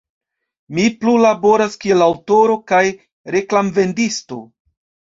Mi plu laboras kiel aŭtoro kaj reklamverkisto.